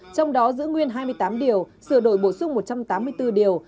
trong đó giữ nguyên hai mươi tám điều sửa đổi bổ sung một trăm tám mươi bốn điều